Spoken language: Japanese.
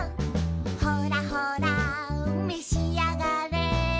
「ほらほらめしあがれ」